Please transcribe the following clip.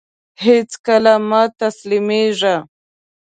هيڅکله مه تسلميږه !